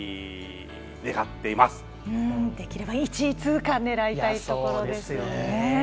できれば１位通過狙いたいところですよね。